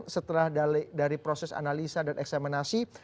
setelah dari proses analisa dan eksaminasi